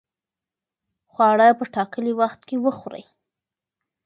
خواړه په ټاکلي وخت کې وخورئ.